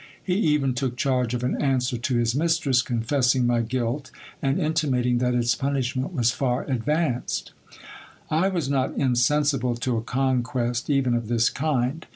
He even took charge of an answer to his mistress, confess ing my guilt, and intimating that its punishment was far advanced. I was not insensible to a conquest even of this kind.